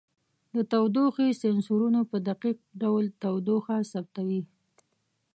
د تودوخې سینسرونو په دقیق ډول تودوخه ثبتوي.